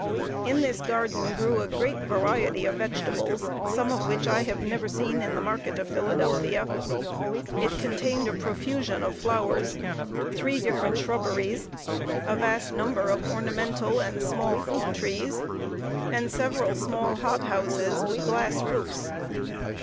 In this garden grew a great variety of vegetables; some of which I have never seen in the market of Philadelphia. It contained a profusion of flowers, three different shrubberies, a vast number of ornamental and small fruit trees, and several small hot houses, with glass roofs.